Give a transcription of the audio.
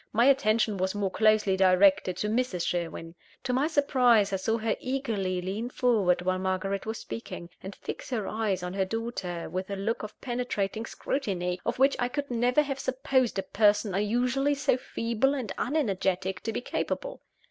My attention was more closely directed to Mrs. Sherwin. To my surprise, I saw her eagerly lean forward while Margaret was speaking, and fix her eyes on her daughter with a look of penetrating scrutiny, of which I could never have supposed a person usually so feeble and unenergetic to be capable.